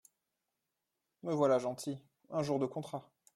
Me voilà gentil… un jour de contrat !